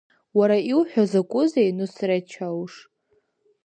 Уара иуҳәо закәзеи Нусреҭ Чауш?